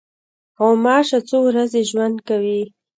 غوماشه څو ورځې ژوند کوي.